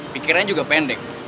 pikirannya juga pendek